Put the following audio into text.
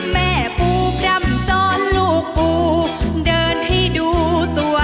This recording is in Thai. แม่ปูพร่ำตอนลูกปูเดินให้ดูตัว